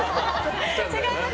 違います。